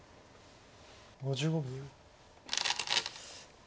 ５５秒。